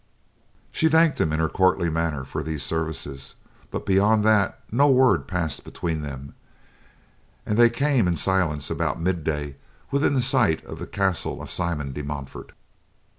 She thanked him in her courtly manner for these services, but beyond that, no word passed between them, and they came, in silence, about midday within sight of the castle of Simon de Montfort.